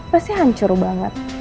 pasti hancur banget